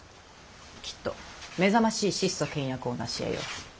きっと目覚ましい質素倹約を成しえよう。